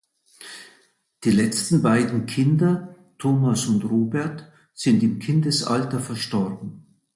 Die letzten beiden Kinder Thomas und Robert sind im Kindesalter verstorben.